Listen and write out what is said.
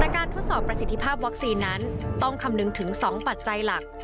แต่การทดสอบประสิทธิภาพวัคซีนนั้นต้องคำนึงถึง๒ปัจจัยหลัก